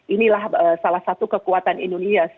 inilah salah satu kekuatan indonesia